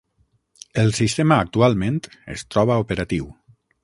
El sistema actualment es troba operatiu.